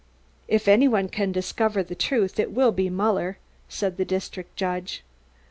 "If any one can discover the truth it will be Muller," said the district judge.